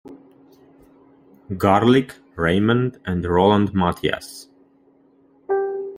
Garlick, Raymond, and Roland Mathias.